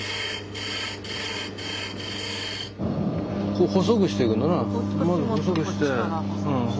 こう細くしてくんだな。